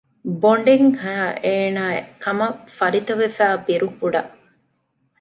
ބޮނޑެއް ހައި އޭނާ ކަމަށް ފަރިތަވެފައި ބިރުކުޑަ